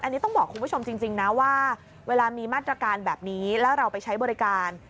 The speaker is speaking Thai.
อันนี้ต้องบอกคุณผู้ชมจริงนะว่าเวลามีมาตรการแบบนี้แล้วเราไปใช้บริการ